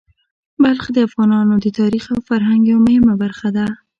بلخ د افغانانو د تاریخ او فرهنګ یوه مهمه برخه ده.